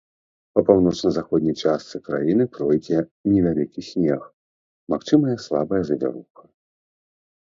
Па паўночна-заходняй частцы краіны пройдзе невялікі снег, магчымая слабая завіруха.